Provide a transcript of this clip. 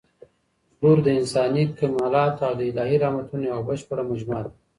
لور د انساني کمالاتو او د الهي رحمتونو یوه بشپړه مجموعه ده.